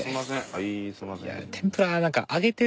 はいすいません。